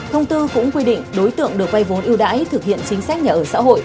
thông tư cũng quy định đối tượng được vay vốn yêu đãi thực hiện chính sách nhà ở xã hội